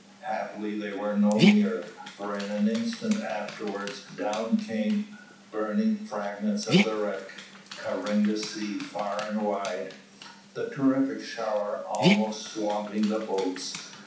Happily they were no nearer, for in an instant afterwards down came burning fragments of the wreck, covering the sea far and wide, the terrific shower almost swamping the boats.